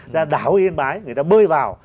ra đảo yên bái người ta bơi vào